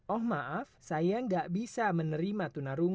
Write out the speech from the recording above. oh maaf saya nggak bisa menerima tunarung